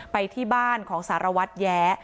ไปที่บ้านของสารวัตรแย้